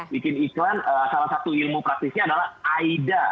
bikin iklan salah satu ilmu praktisnya adalah aida